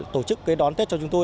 tổ chức kế đón tết cho chúng tôi